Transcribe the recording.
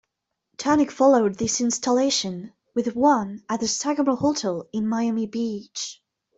Tunick followed this installation with one at the Sagamore Hotel in Miami Beach.